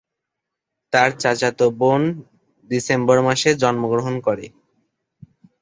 তার চাচাতো বোন ডিসেম্বর মাসে জন্মগ্রহণ করে।